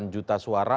satu delapan juta suara